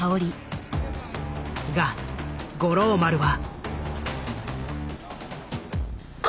が五郎丸は。